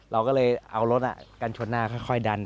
เราก็เลยเอารถกันชนหน้าค่อยดัน